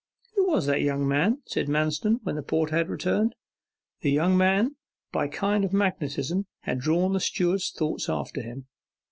'Who was that young man?' said Manston, when the porter had returned. The young man, by a kind of magnetism, had drawn the steward's thoughts after him.